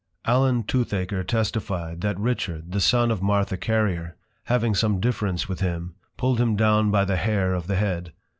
Allin Toothaker testify'd, That Richard, the son of Martha Carrier, having some difference with him, pull'd him down by the Hair of the Head.